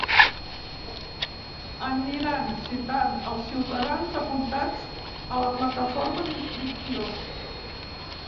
Aniran citant els ciutadans apuntats a la plataforma d’inscripció.